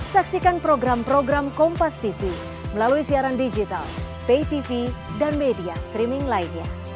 saksikan program program kompas tv melalui siaran digital pay tv dan media streaming lainnya